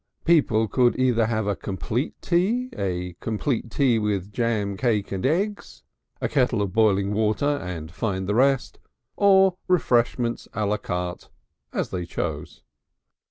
People could either have a complete tea, a complete tea with jam, cake and eggs, a kettle of boiling water and find the rest, or refreshments á la carte, as they chose.